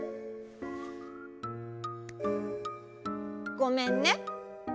ごめんね。